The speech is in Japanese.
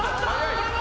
これは！